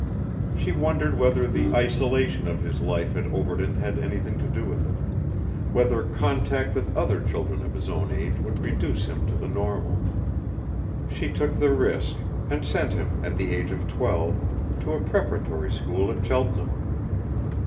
She wondered whether the isolation of his life at Overton had anything to do with it, whether contact with other children of his own age would reduce him to the normal. She took the risk, and sent him at the age of twelve, to a preparatory school in Cheltenham.